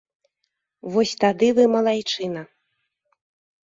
Вось тады вы малайчына.